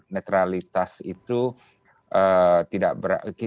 netralitas itu tidak berarti